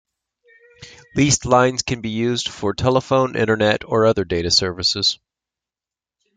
Leased lines can be used for telephone, Internet, or other data services.